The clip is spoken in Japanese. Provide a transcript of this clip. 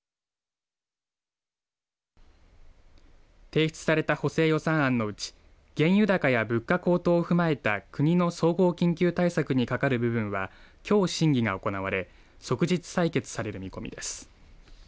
提出された補正予算案のうち原油高の物価高騰を踏まえた国の総合緊急対策にかかる部分はきょう審議が行われ即日採決される見込みです。